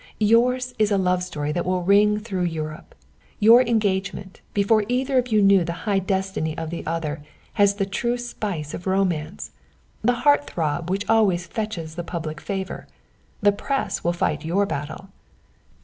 "Yours is a love story that will ring through Europe. Your engagement before either of you knew the high destiny of the other has the true spice of romance, the heart throb which always fetches the public favour. The Press will fight your battle."